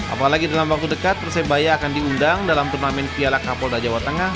apalagi dalam waktu dekat persebaya akan diundang dalam turnamen piala kapolda jawa tengah